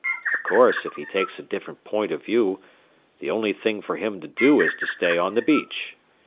Of course, if he takes a different point of view, the only thing for him to do is to stay on the beach.